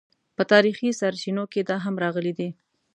په تاریخي سرچینو کې دا هم راغلي دي.